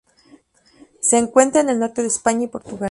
Se encuentra en el norte de España y Portugal.